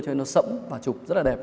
cho nên nó sẫm và chụp rất là đẹp